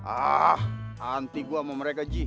ah anti gue sama mereka ji